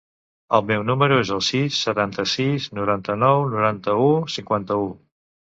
El meu número es el sis, setanta-sis, noranta-nou, noranta-u, cinquanta-u.